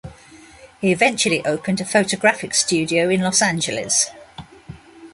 He eventually opened a photographic studio in Los Angeles.